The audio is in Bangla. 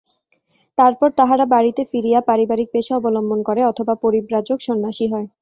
তারপর তাহারা বাড়ীতে ফিরিয়া পারিবারিক পেশা অবলম্বন করে, অথবা পরিব্রাজক সন্ন্যাসী হয়।